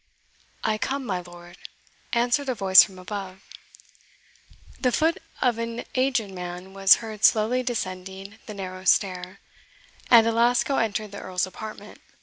"I come, my lord," answered a voice from above. The foot of an aged man was heard slowly descending the narrow stair, and Alasco entered the Earl's apartment.